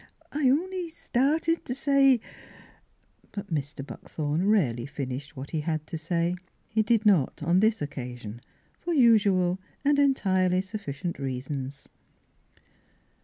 I only started t' say —" But Mr. Buckthorn rarely finished what he had to say. He did not on this occa sion, for usual and entirely sufficient reasons.